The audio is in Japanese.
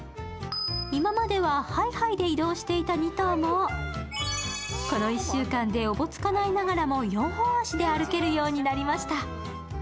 今まではハイハイで移動していた２頭もこの１週間でおぼつかないながらも４本足で歩けるようにになりました。